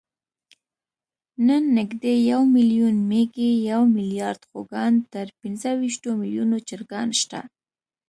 نن نږدې یو میلیون مېږې، یو میلیارد خوګان، تر پینځهویشتو میلیونو چرګان شته.